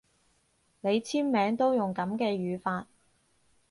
你簽名都用噉嘅語法